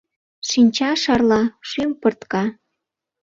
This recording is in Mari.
Шинча шарла, шӱм пыртка.